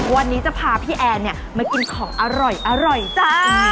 วันนี้จะพาพี่แอนเนี่ยมากินของอร่อยจ้า